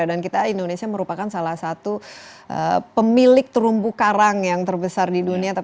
dan kita indonesia merupakan salah satu pemilik terumbu karang yang terbesar di dunia